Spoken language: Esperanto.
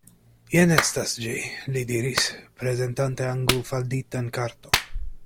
Jen estas ĝi, li diris, prezentante angulfalditan karton.